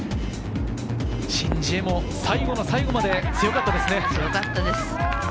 シン・ジエも最後の最後まで強かったですね。